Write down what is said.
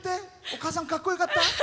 お母さんかっこよかった。